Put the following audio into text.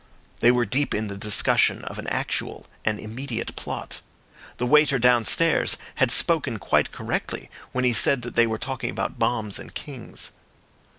They were deep in the discussion of an actual and immediate plot. The waiter downstairs had spoken quite correctly when he said that they were talking about bombs and kings.